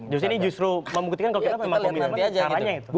justru ini justru membuktikan kalau kita memang komitmen caranya itu